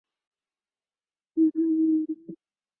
博物馆免费入场。